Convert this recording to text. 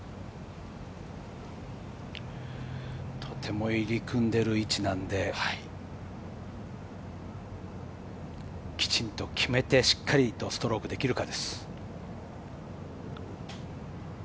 とても入り組んでいる位置なので、きちんと決めて、しっかりストロークできるか。